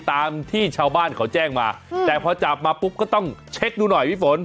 ตามที่ชาวบ้านเขาแจ้งมาแต่พอจับมาปุ๊บก็ต้องเช็คดูหน่อยพี่ฝน